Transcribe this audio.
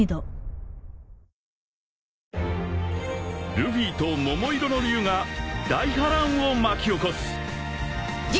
［ルフィと桃色の龍が大波乱を巻き起こす！］